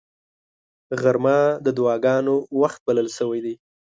غرمه د دعاګانو وخت بلل شوی دی